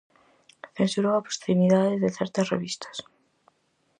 Censurou a obscenidade de certas revistas.